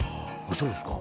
そうですか。